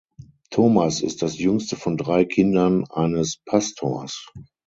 Thomas ist das jüngste von drei Kindern eines Pastors.